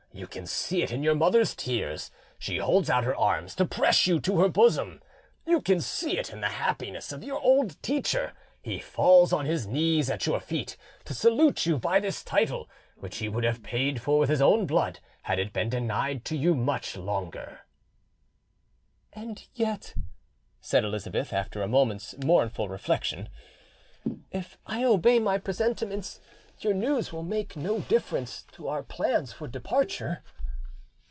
You can see it in your mother's tears; she holds out her arms to press you to her bosom; you can see it in the happiness of your old teacher; he falls on his knees at your feet to salute you by this title, which he would have paid for with his own blood had it been denied to you much longer." "And yet," said Elizabeth, after a moment's mournful reflection, "if I obey my presentiments, your news will make no difference to our plans for departure."